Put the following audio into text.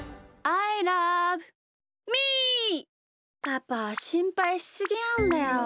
パパしんぱいしすぎなんだよ。